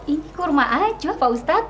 ini kurma ajwa pak ustad